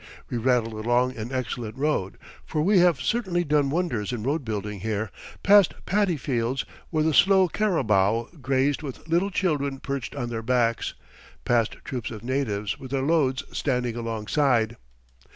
We rattled along an excellent road (for we have certainly done wonders in road building here), past paddy fields, where the slow carabao grazed with little children perched on their backs, past troops of natives, with their loads, standing alongside.